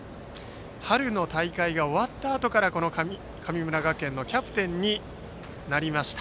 春の大会が終わったあとから神村学園のキャプテンになりました